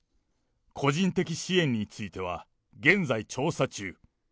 個人的支援については、現在調査中。